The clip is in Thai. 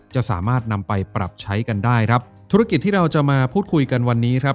จะสามารถนำไปปรับใช้กันได้ครับธุรกิจที่เราจะมาพูดคุยกันวันนี้ครับ